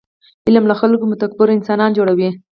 علم له خلکو متفکر انسانان جوړوي.